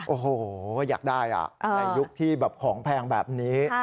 โอ้โหอยากได้ในยุคที่แบบของแพงแบบนี้